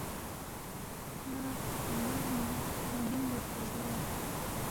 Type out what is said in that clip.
تا نہ کھو ترانگمَرمو لونگبِنگ گویدپا جُویا